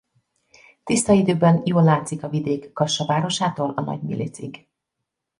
Tiszta időben jól látszik a vidék Kassa városától a Nagy-Milicig.